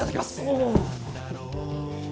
おお。